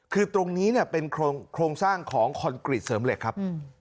คือตรงนี้เนี่ยเป็นโครงสร้างของคอนกรีตเสริมเหล็กครับ